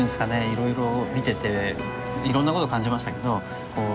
いろいろ見てていろんなこと感じましたけど。